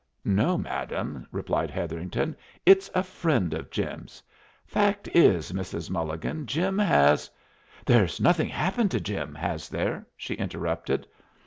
"No, madam," replied Hetherington. "It's a friend of Jim's. Fact is, Mrs. Mulligan, Jim has " "There's nothin' happened to Jim, has there?" she interrupted.